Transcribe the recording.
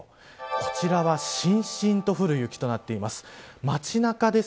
こちらは、しんしんと降る雪となっています。